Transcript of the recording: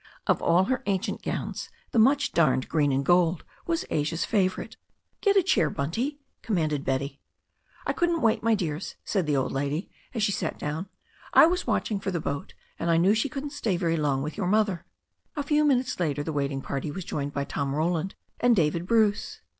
Of all her ancient gowns the now much darned green and gold was Asia's favourite. "Get a chair, Bunty," commanded Betty. *1 couldn't wait, my dears," said the old lady, as she sat down. "I was watching for the boat, and I knew she couldn't stay very long with your mother." A few minutes later the waiting party was joined by Tom Roland and David Bruce.